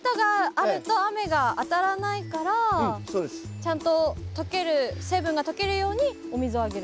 ちゃんと溶ける成分が溶けるようにお水をあげる。